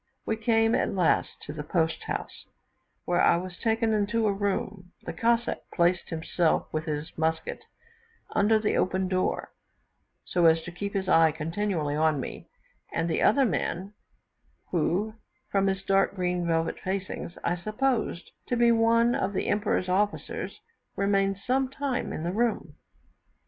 We came, at last, to the post house, where I was taken into a room; the Cossack placed himself with his musket under the open door, so as to keep his eye continually on me; and the other man, who, from his dark green velvet facings, I supposed to be one of the Emperor's officers, remained some time in the room.